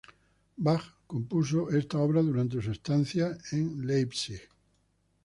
Bach compuso esta obra durante su estancia como en Leipzig.